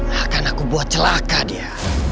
akan aku buat celaka dia